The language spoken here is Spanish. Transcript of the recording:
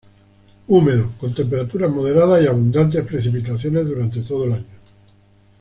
Húmedo, con temperaturas moderadas y abundantes precipitaciones durante todo el año.